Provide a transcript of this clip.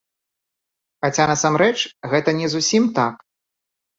Хаця насамрэч гэта не зусім так.